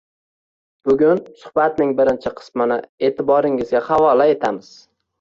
Bugun suhbatning birinchi qismini e’tiboringizga havola etamiz.